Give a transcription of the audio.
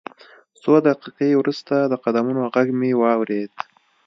څو دقیقې وروسته د قدمونو غږ مې واورېد